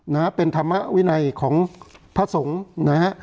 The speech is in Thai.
นะฮะเป็นธรรมวินัยของพระสงฆ์นะฮะ